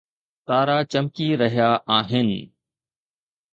تارا چمڪي رهيا آهن